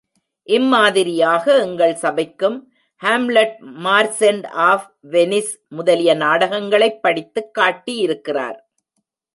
இம்மாதிரியாக எங்கள் சபைக்கும், Hamlet, merchant app Venice முதலிய நாடகங்களைப் படித்துக் காட்டியிருக்கிறார்.